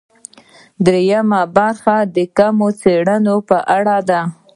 درېیمه برخه د کمي څېړنو په اړه ده.